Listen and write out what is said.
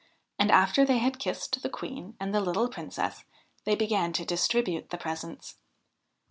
And, after they had kissed the Queen and the little Princess, they began to distribute the presents.